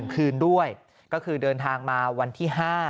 คืนด้วยก็คือเดินทางมาวันที่๕